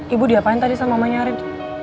ibu diapain tadi sama mamanya arief